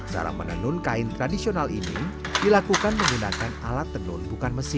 cara menenun kain tradisional ini dilakukan menggunakan alat tenun bukan mesin